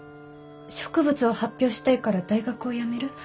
植物を発表したいから大学を辞める？